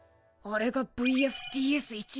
あれがＶＦＴＳ１０２か。